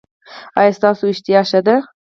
ایا ستاسو اشتها ښه ده؟